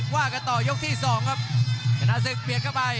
ว่ากันต่อยกที่สองครับชนะศึกเปลี่ยนเข้าไป